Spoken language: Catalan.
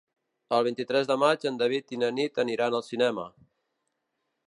El vint-i-tres de maig en David i na Nit aniran al cinema.